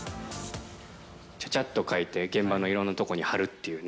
ちゃちゃっと描いて、現場のいろんな所に貼るっていうね。